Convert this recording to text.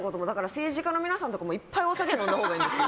政治家の皆さんとかもいっぱいお酒飲んだほうがいいです。